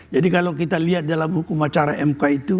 jadi kalau kita lihat dalam hukum acara mk itu